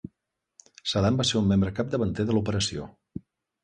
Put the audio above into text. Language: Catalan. Saddam va ser un membre capdavanter de l'operació.